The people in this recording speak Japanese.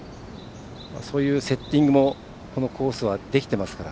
そういうセッティングもこのコースはできてますから。